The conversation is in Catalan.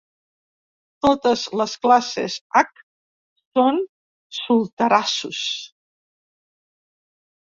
Totes les classes "H" són solterassos.